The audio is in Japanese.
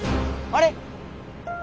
あれ！